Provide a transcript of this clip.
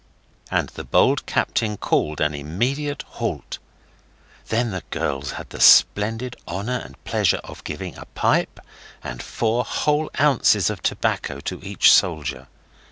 And the bold captain called an immediate halt. Then the girls had the splendid honour and pleasure of giving a pipe and four whole ounces of tobacco to each soldier.